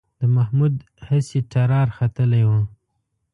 د محمود هسې ټرار ختلی و